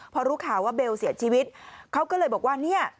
พอรู้ข่าวว่าเบลเสียชีวิตเขาก็เลยบอกว่าเนี่ย